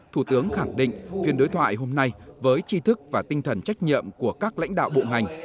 thủ tướng khẳng định phiên đối thoại hôm nay với chi thức và tinh thần trách nhiệm của các lãnh đạo bộ ngành